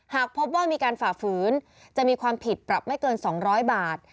หากพบว่ามีการฝ่าฝืนจะมีความผิดปรับไม่เกิน๒๐๐บาท